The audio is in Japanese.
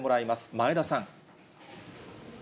前田さん。